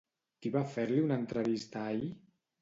Qui va fer-li una entrevista ahir?